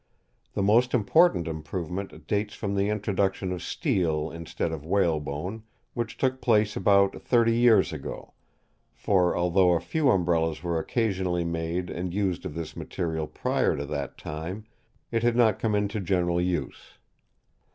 The most important improvement dates from the introduction of steel instead of whalebone, which took place about thirty years ago, for although a few Umbrellas were occasionally made and used of this material prior to that time, it had not come into general use.